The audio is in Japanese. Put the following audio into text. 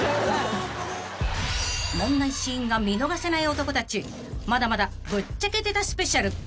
［問題シーンが見逃せない男たちまだまだぶっちゃけてたスペシャル］